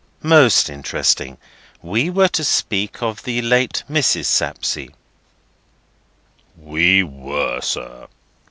"Most interesting. We were to speak of the late Mrs. Sapsea." "We were, sir."